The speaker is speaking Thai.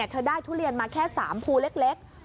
เธอได้ทุเรียนมาแค่๓ภูเล็ก